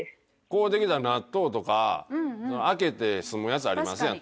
買うてきた納豆とか開けて済むやつありますやん